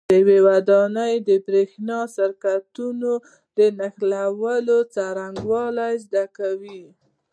د یوې ودانۍ د برېښنا سرکټونو د نښلولو څرنګوالي زده کوئ.